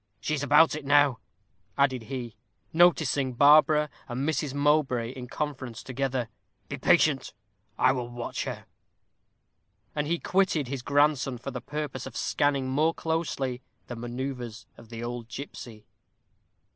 She is about it now," added he, noticing Barbara and Mrs. Mowbray in conference together. "Be patient I will watch her." And he quitted his grandson for the purpose of scanning more closely the manœuvres of the old gipsy.